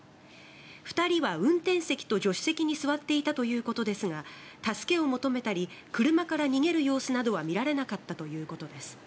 ２人は運転席と助手席に座っていたということですが助けを求めたり車から逃げる様子などは見られなかったということです。